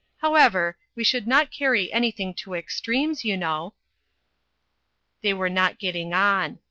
However, we should not carry anything to extremes, you know." They were not getting on.